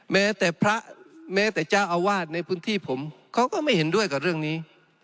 แม้แต่พระแม้แต่เจ้าอาวาสในพื้นที่ผมเขาก็ไม่เห็นด้วยกับเรื่องนี้